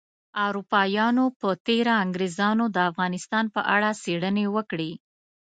اروپایانو په تیره انګریزانو د افغانستان په اړه څیړنې وکړې